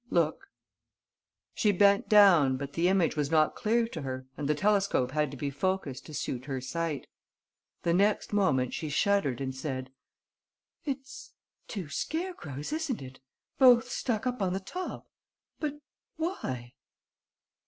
"Look." She bent down but the image was not clear to her and the telescope had to be focussed to suit her sight. The next moment she shuddered and said: "It's two scarecrows, isn't it, both stuck up on the top? But why?"